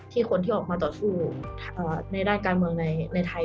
คนที่ออกมาต่อสู้ในด้านการเมืองในไทย